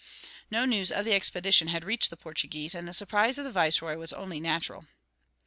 No news of the expedition had reached the Portuguese, and the surprise of the viceroy was only natural.